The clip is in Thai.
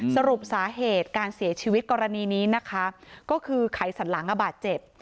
สรุปสาเหตุการเสียชีวิตกรณีนี้นะคะก็คือไขสันหลังบาดเจ็บ